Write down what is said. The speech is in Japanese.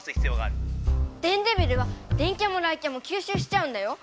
電デビルは電キャも雷キャもきゅうしゅうしちゃうんだよ！